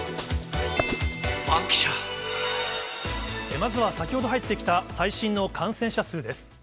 まずは先ほど入ってきた最新の感染者数です。